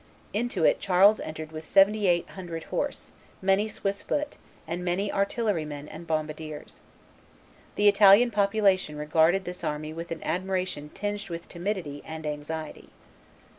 Into it Charles entered with seventy eight hundred horse, many Swiss foot, and many artillerymen and bombardiers. The Italian population regarded this army with an admiration tinged with timidity and anxiety.